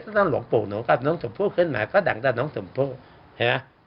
ซะต้านหลวงปู่หนูกับน้องสุมภูกิ์ขึ้นมาก็ดังจากน้องสุมภูกิ์เห็นไหม